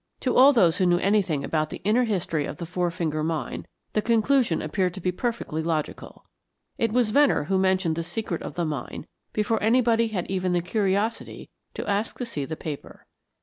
To all of those who knew anything about the inner history of the Four Finger Mine the conclusion appeared to be perfectly logical. It was Venner who mentioned the secret of the mine before anybody had even the curiosity to ask to see the paper.